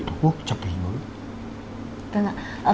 thủ quốc trong thời gian mới